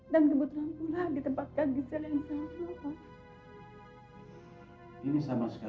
dan kebetulan pula ditempatkan gizel yang terlalu luar